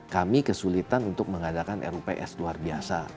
kami kesulitan untuk mengadakan rups luar biasa